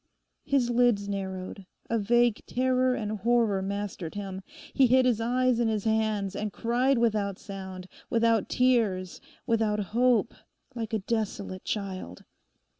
His lids narrowed; a vague terror and horror mastered him. He hid his eyes in his hands and cried without sound, without tears, without hope, like a desolate child.